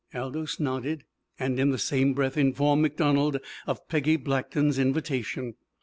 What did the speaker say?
Aldous nodded, and in the same breath informed MacDonald of Peggy Blackton's invitation.